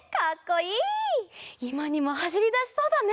いまにもはしりだしそうだね！